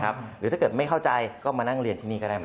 หรือถ้าเกิดไม่เข้าใจก็มานั่งเรียนที่นี่ก็ได้